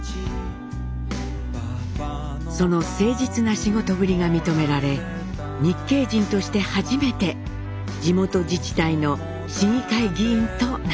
その誠実な仕事ぶりが認められ日系人として初めて地元自治体の市議会議員となりました。